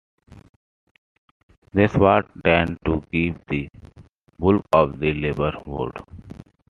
These wards tend to give the bulk of the Labour vote.